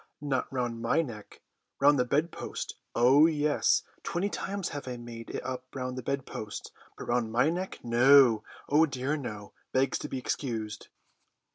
"Not round my neck! Round the bed post! Oh yes, twenty times have I made it up round the bed post, but round my neck, no! Oh dear no! begs to be excused!"